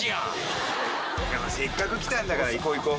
せっかく来たんだから行こう行こう。